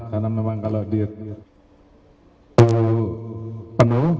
karena memang kalau di penuh